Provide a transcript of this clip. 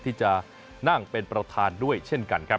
ที่จะนั่งเป็นประธานด้วยเช่นกันครับ